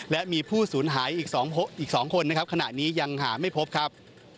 และมีผู้ศูนย์หายอีก๒คนขณะนี้ยังหาไม่พบครับ